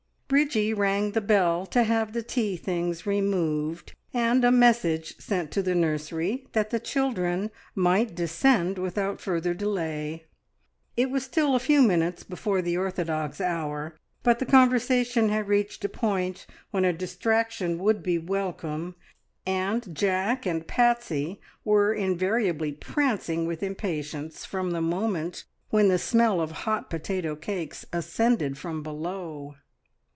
Bridgie rang the bell to have the tea things removed and a message sent to the nursery that the children might descend without further delay. It was still a few minutes before the orthodox hour, but the conversation had reached a point when a distraction would be welcome, and Jack and Patsie were invariably prancing with impatience from the moment when the smell of hot potato cakes ascended from below.